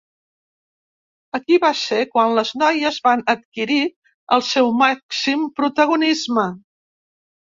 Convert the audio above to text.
Aquí va ser quan les noies van adquirir el seu màxim protagonisme.